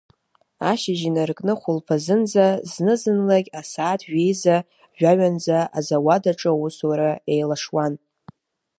Ашьыжь инаркны хәылԥазынӡа, зны-зынлагь асааҭ жәеиза, жәаҩанӡа азауад аҿы аусура еилашуан.